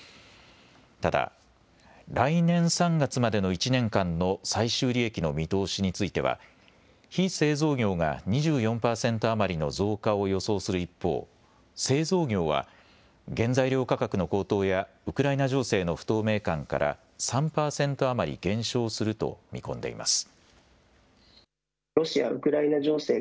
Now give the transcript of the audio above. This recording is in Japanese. ただ来年３月までの１年間の最終利益の見通しについては非製造業が２４％余りの増加を予想する一方、製造業は原材料価格の高騰やウクライナ情勢の不透明感から３％余り減少すると見込んでいます。